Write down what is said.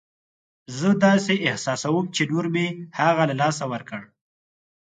زه داسې احساسوم چې نور مې هغه له لاسه ورکړ.